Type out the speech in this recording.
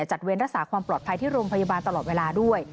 เว้นรักษาความปลอดภัยที่โรงพยาบาลตลอดเวลาด้วย